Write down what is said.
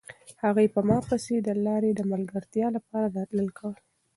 هغې په ما پسې د لارې د ملګرتیا لپاره راتلل کول.